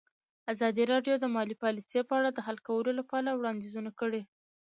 ازادي راډیو د مالي پالیسي په اړه د حل کولو لپاره وړاندیزونه کړي.